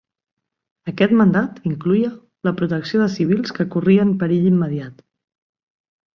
Aquest mandat incloïa la protecció de civils que corrien perill immediat.